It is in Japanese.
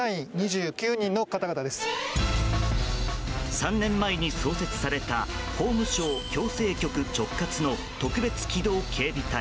３年前に創設された法務省矯正局直轄の特別機動警備隊